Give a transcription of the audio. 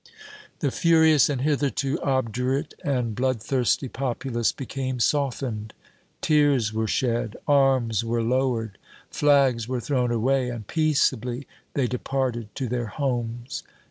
The furious and hitherto obdurate and bloodthirsty populace became softened tears were shed, arms were lowered flags were thrown away, and peaceably they departed to their homes.